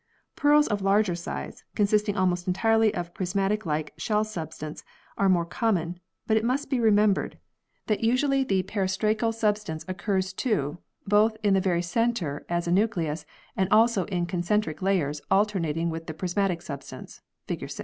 Pearls of larger size, consisting almost entirely of prismatic like shell substance are more common, but it must be remembered that usually the periostracal 58 PEARLS [CH. substance occurs too, both in the very centre as a nucleus, and also in concentric layers alternating with the prismatic substance (fig.